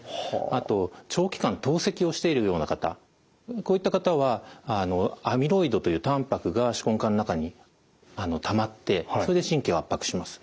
あと長期間透析をしているような方こういった方はアミロイドというたんぱくが手根管の中にたまってそれで神経を圧迫します。